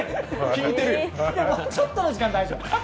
ちょっとの時間、大丈夫。